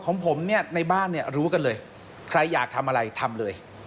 ของผมในบ้านรู้กันเลยใครอยากทำอะไรทำเลย